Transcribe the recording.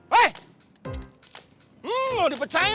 hei mau di pecahin